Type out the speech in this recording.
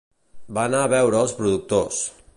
Va anar a veure els productors.